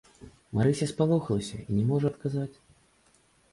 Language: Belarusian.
Марыся спалохалася і не можа адказаць.